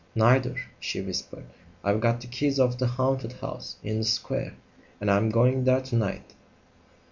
"Neither," she whispered. "I've got the keys of the haunted house in the square and I'm going there to night."